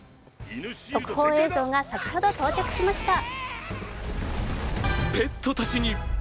特報映像が先ほど到着しました。